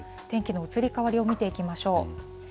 天気の移り変わりを見ていきましょう。